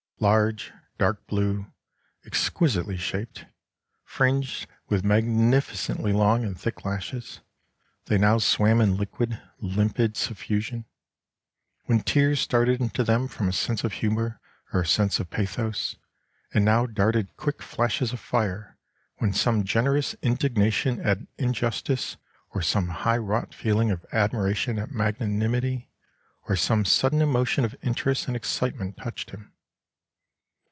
Large, dark blue, exquisitely shaped, fringed with magnificently long and thick lashes they now swam in liquid, limpid suffusion, when tears started into them from a sense of humour or a sense of pathos, and now darted quick flashes of fire when some generous indignation at injustice, or some high wrought feeling of admiration at magnanimity, or some sudden emotion of interest and excitement touched him.